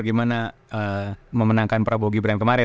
bagaimana memenangkan prabowo gibran kemarin